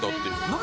何？